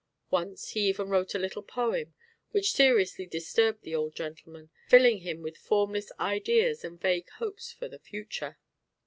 Once he even wrote a little poem which seriously disturbed the Old Gentleman, filling him with formless ideas and vague hopes for the future.